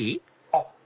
あっ！